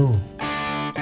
udah punya pacar baru